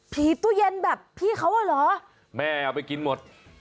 ตู้เย็นแบบพี่เขาอ่ะเหรอแม่เอาไปกินหมด